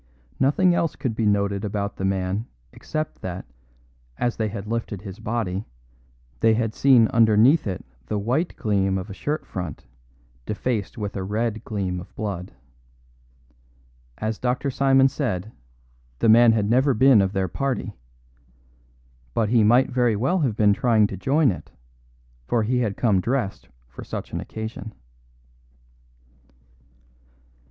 Nothing else could be noted about the man except that, as they had lifted his body, they had seen underneath it the white gleam of a shirt front defaced with a red gleam of blood. As Dr. Simon said, the man had never been of their party. But he might very well have been trying to join it, for he had come dressed for such an occasion.